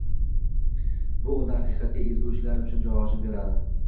Bu unda haqiqatda ezgu ishlar uchun joy ochib beradi